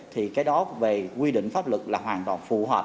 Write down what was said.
thì cái đó về quy định pháp luật là hoàn toàn phù hợp